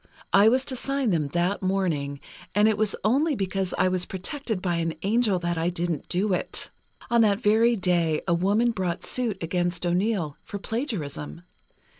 I was to sign them that morning, and it was only because I was protected by an angel that I didn't do it. On that very day, a woman brought suit against O'Neill, for plagiarism.